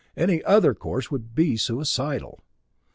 Any other course would be suicidal.